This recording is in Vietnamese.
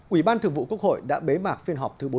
ủy ban thường vụ quốc hội đã bế mạc phiên họp thứ bốn mươi bốn